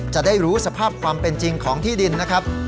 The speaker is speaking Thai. จะได้รู้สภาพความเป็นจริงของที่ดินนะครับ